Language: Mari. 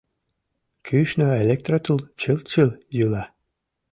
Кӱшнӧ электротул чыл-чыл йӱла.